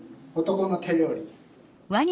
男の手料理。